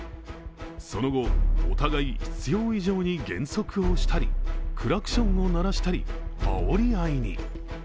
その後、お互い必要以上に減速をしたりクラクションを鳴らしたり、あおり合いに。